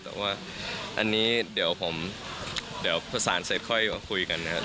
แต่ว่าอันนี้เดี๋ยวผมเดี๋ยวประสานเสร็จค่อยมาคุยกันนะครับ